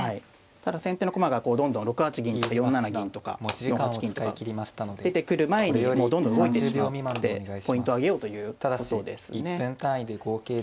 ただ先手の駒がどんどん６八銀とか４七銀とか４八金とか出てくる前にもうどんどん動いてしまってポイントを挙げようということですね。